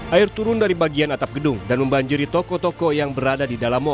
air turun dari bagian atap gedung dan membanjiri toko toko yang berada di dalam mall